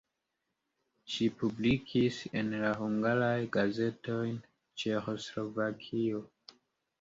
Ŝi publikis en la hungaraj gazetoj de Ĉeĥoslovakio.